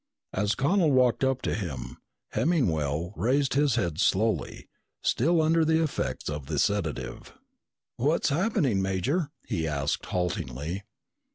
As Connel walked up to him, Hemmingwell raised his head slowly, still under the effects of the sedative. "What's what's happening, Major?" he asked haltingly.